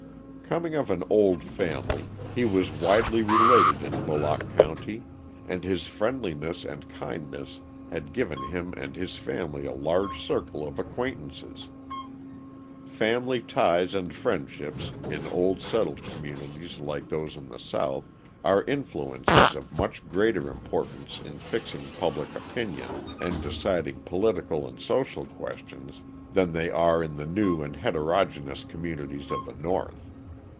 Coming of an old family, he was widely related in Bullock County, and his friendliness and kindness had given him and his family a large circle of acquaintances. Family ties and friendships, in old settled communities like those in the South, are influences of much greater importance in fixing public opinion and deciding political and social questions than they are in the new and heterogeneous communities of the North.